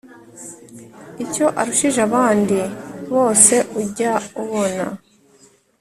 icyo arushije abandi bose ujya ubona